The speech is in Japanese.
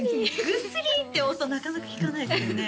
「ぐっすり！」って音なかなか聞かないですね